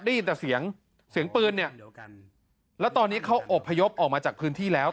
ได้ยินแต่เสียงเสียงปืนเนี่ยแล้วตอนนี้เขาอบพยพออกมาจากพื้นที่แล้ว